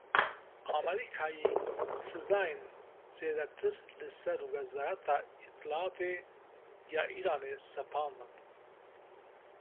Amerîkayê sizayên zêdetir li ser Wezareta Îtlaatê ya Îranê sepandin.